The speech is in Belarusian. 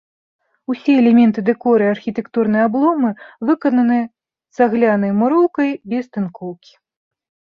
Усе элементы дэкору і архітэктурныя абломы выкананы цаглянай муроўкай без тынкоўкі.